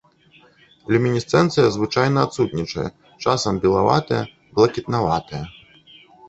Люмінесцэнцыя звычайна адсутнічае, часам белаватая, блакітнаватая.